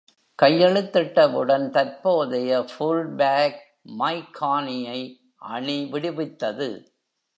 கையெழுத்திட்டவுடன், தற்போதைய ஃபுல்பாக் மைக் கார்னியை அணி விடுவித்தது.